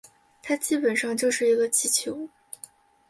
它基本上就是一个气球